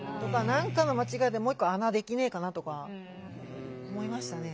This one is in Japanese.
何かの間違いでもう一個穴できねえかなとか思いましたね。